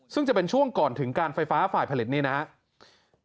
ซึ่งจะเป็นช่วงก่อนถึงการไฟฟ้าฝ่ายผลิตนี่นะครับ